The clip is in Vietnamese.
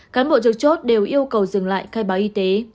cán bộ trực chốt đều yêu cầu dừng lại khai báo y tế